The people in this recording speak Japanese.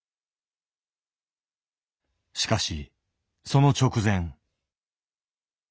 しかしその直前。